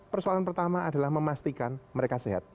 persoalan pertama adalah memastikan mereka sehat